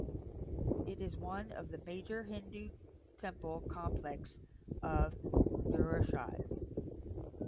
It is one of the major Hindu Temple complex of Gujarat.